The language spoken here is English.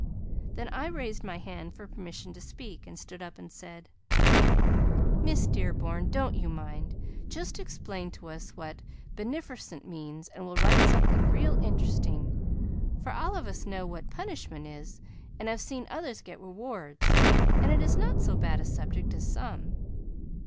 Then I raised my hand for permission to speak, and stood up and said: "Miss Dearborn, don't you mind! Just explain to us what benefercent' means and we'll write something real interesting; for all of us know what punishment is, and have seen others get rewards, and it is not so bad a subject as some."